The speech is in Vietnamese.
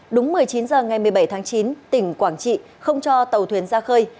đúng một mươi chín h ngày một mươi bảy tháng chín tỉnh quảng trị không cho tàu thuyền ra khơi